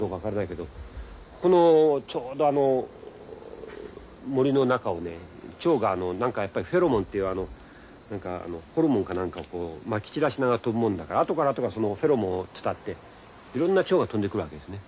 けどこのちょうどあの森の中をね蝶が何かやっぱりフェロモンっていう何かあのホルモンか何かをまき散らしながら飛ぶもんだから後から後からそのフェロモンを伝っていろんな蝶が飛んでくるわけですね。